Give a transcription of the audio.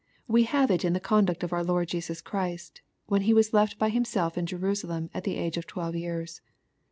We have it in the conduct of our Lord Jesus Christ, when He was left by Himself in Jerusalem at the age of twelve years.